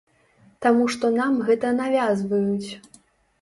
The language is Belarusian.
Таму што нам гэта навязваюць.